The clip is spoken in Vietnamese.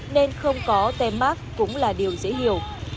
nên không có tem mát cũng là điều dễ hiểu